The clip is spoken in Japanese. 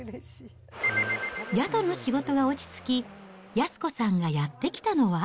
宿の仕事が落ち着き、靖子さんがやって来たのは。